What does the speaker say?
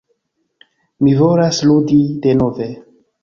Mi volas ludi... denove...